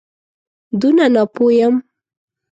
دونه ناپوه یم.